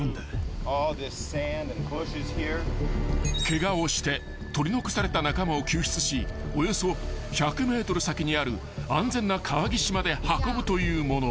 ［ケガをして取り残された仲間を救出しおよそ１００ｍ先にある安全な川岸まで運ぶというもの］